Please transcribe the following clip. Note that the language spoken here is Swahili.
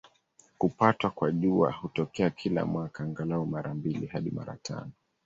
Kupatwa kwa Jua hutokea kila mwaka, angalau mara mbili hadi mara tano.